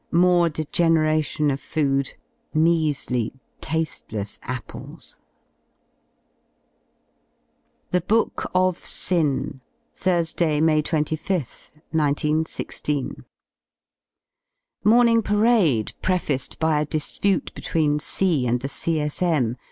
More degeneration of food, measly tasT:eless apples. THE BOOK OF SIN Thursday y May 25th, 1916. Morning parade prefaced by a dispute between C... and the C.S.M.